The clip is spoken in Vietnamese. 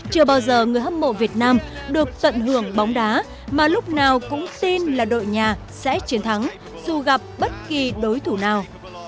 chưa bao giờ người hâm mộ việt nam được tận hưởng bóng đá mà lúc nào cũng tin là đội nhà sẽ chiến thắng dù gặp bất kỳ đối thủ nào